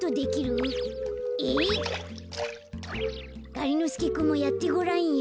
がりのすけくんもやってごらんよ。